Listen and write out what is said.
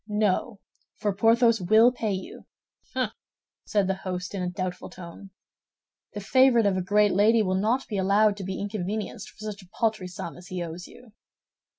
"No, for Porthos will pay you." "Hum!" said the host, in a doubtful tone. "The favorite of a great lady will not be allowed to be inconvenienced for such a paltry sum as he owes you."